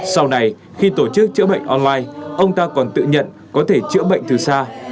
sau này khi tổ chức chữa bệnh online ông ta còn tự nhận có thể chữa bệnh từ xa